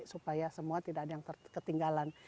supaya semua tidak ada yang ketinggalan